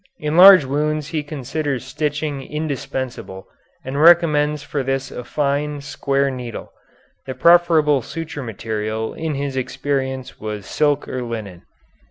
In large wounds he considers stitching indispensable, and recommends for this a fine, square needle. The preferable suture material in his experience was silk or linen.